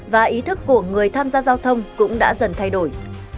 và ý thức của người tham gia giao thông cũng đã dần thay đổi